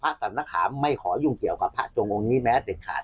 พระสัตว์นขาไม่ขอยุ่งเกี่ยวกับผ้าจงองนี้แม้เด็กขาด